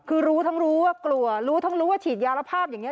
คือรู้ทั้งรู้ว่ากลัวรู้ทั้งรู้ว่าฉีดยารภาพอย่างนี้